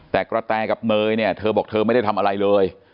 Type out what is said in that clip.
แต่กระแตกับเนยเนี่ยเธอบอกเธอไม่ได้ทำอะไรเลย